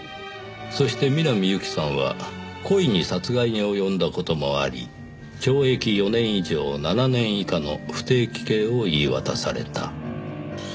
そして南侑希さんは故意に殺害に及んだ事もあり懲役４年以上７年以下の不定期刑を言い渡された。